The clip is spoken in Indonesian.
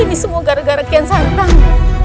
ini semua gara gara kian santang